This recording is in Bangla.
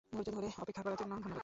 ধৈর্য ধরে অপেক্ষা করার জন্য ধন্যবাদ।